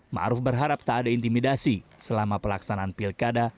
ma'ruf berharap tak ada intimidasi selama pelaksanaan pilkada